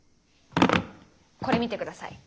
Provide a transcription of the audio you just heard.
これ見てください。